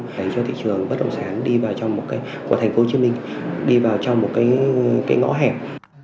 để cho thị trường bất động sản đi vào trong một cái của thành phố hồ chí minh đi vào trong một cái ngõ hẻm